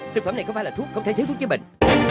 thực phẩm này có phải là thuốc không thể thiếu thuốc chữa bệnh